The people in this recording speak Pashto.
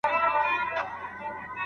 که ښځې زدهکړه وکړي، کورنۍ پیاوړې کېږي.